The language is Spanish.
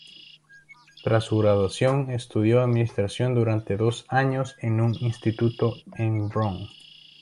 Tras su graduación, estudió administración durante dos años en un instituto en Brno.